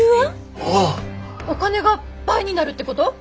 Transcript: お金が倍になるってこと？